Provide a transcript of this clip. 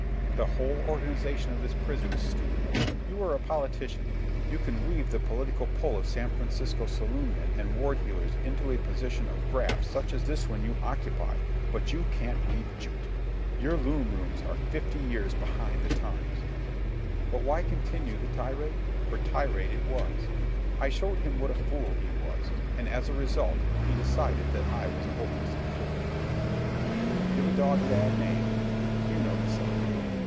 The whole organization of this prison is stupid. You are a politician. You can weave the political pull of San Francisco saloon men and ward heelers into a position of graft such as this one you occupy; but you can't weave jute. Your loom rooms are fifty years behind the times. ..." But why continue the tirade?—for tirade it was. I showed him what a fool he was, and as a result he decided that I was a hopeless incorrigible. Give a dog a bad name—you know the saw.